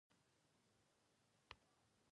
هر نوښت باید ارزښت پیدا کړي چې نورو ته د منلو وړ شي.